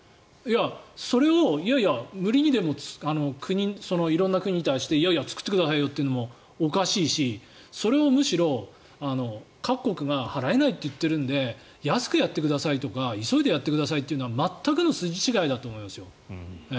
それをいやいや、無理にでも色んな国に対していやいや、作ってくださいよというのもおかしいしそれをむしろ各国が払えないと言っているので安くやってくださいとか急いでやってくださいというのは全くの筋違いだと思いますよ。